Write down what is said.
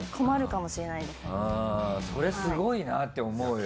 それすごいなって思うよ。